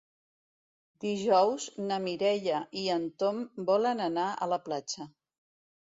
Dijous na Mireia i en Tom volen anar a la platja.